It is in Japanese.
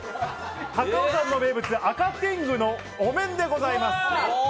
高尾山の名物赤天狗のお面でございます。